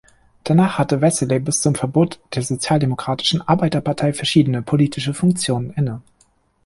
Danach hatte Wessely bis zum Verbot der Sozialdemokratischen Arbeiterpartei verschiedene politische Funktionen inne.